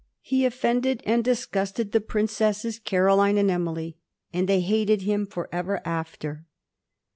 He offended and disgusted the Princesses Caroline and Emily, and they hated him forever after.